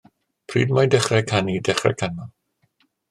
Pryd mae Dechrau Canu Dechrau Canmol?